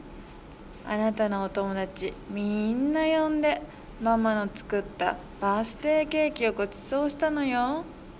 あなたのおともだちみんなよんで、ママのつくったバースデイケーキをごちそうしたのよ』」。